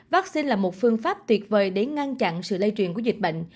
vắc xin là một phương pháp tuyệt vời để ngăn chặn sự lây truyền của dịch bệnh